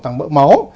tăng mỡ máu